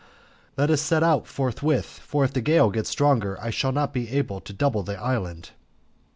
"Let us set out forthwith, for if the gale gets stronger I shall not be able to double the island."